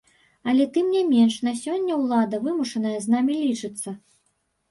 Але тым не менш, на сёння ўлада вымушаная з намі лічыцца.